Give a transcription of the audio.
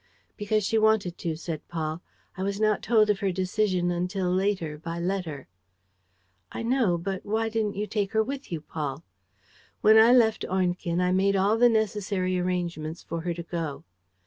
"Because she wanted to," said Paul. "I was not told of her decision until later, by letter." "I know. But why didn't you take her with you, Paul?" "When I left Ornequin, I made all the necessary arrangements for her to go."